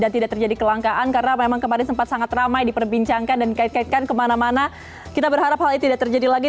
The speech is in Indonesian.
terima kasih pak roy